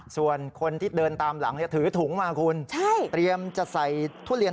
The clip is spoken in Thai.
ส่วนคนที่เดินตามหลังถือถุงมาคุณเตรียมจะใส่ทุเรียน